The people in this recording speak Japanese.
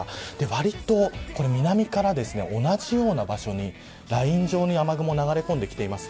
わりと南から同じような場所にライン状に雨雲が流れ込んできています。